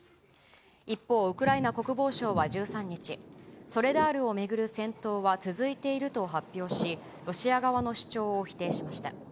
一方、ウクライナ国防省は１３日、ソレダールを巡る戦闘は続いていると発表し、ロシア側の主張を否定しました。